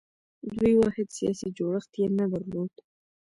دوی واحد سیاسي جوړښت یې نه درلود